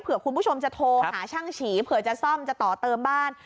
คุณผู้ชมจะโทรหาช่างฉีเผื่อจะซ่อมจะต่อเติมบ้าน